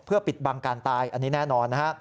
ปิดบังการตายอันนี้แน่นอนนะฮะ